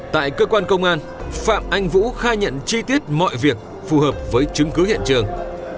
tại cơ quan công an phạm anh vũ khai nhận chi tiết mọi việc phù hợp với chứng cứ hiện trường